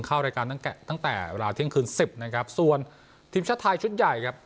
เข้ารายการตั้งแต่เวลาเที่ยงคืนสิบนะครับส่วนทีมชาติไทยชุดใหญ่ครับ